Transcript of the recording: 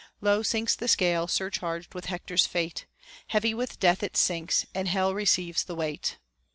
Low sinks the scale surcharged with Hector's fate ; Heavy with death it sinks, and hell receives the weight.